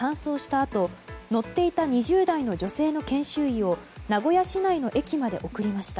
あと乗っていた２０代の女性の研修医を名古屋市内の駅まで送りました。